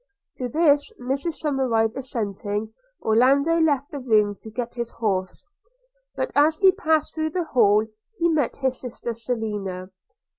To this Mrs Somerive assenting, Orlando left the room to get his horse; but as he passed through the hall, he met his sister Selina.